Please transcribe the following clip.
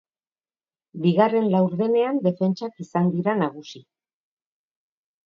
Bigarren laurdenean denfentsak izan dira nagusi.